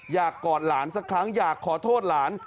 กอดหลานสักครั้งอยากขอโทษหลาน